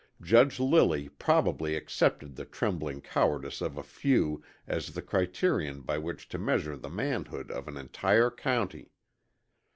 Judge Lilly probably accepted the trembling cowardice of a few as the criterion by which to measure the manhood of an entire county.